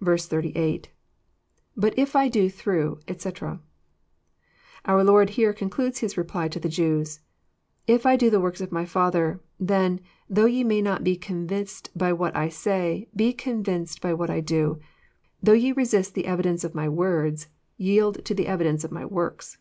88. — ISui if I do though, etc,"] Our Lord here concludes His reply to the Jews :If I do the works of my Father, then, though ye may not be convinced by what I say, be convinced by what I do. Though ye resist the evidence of my words, yield to the evidence of my works.